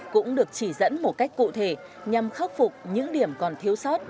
cũng được chỉ dẫn một cách cụ thể nhằm khắc phục những điểm còn thiếu sót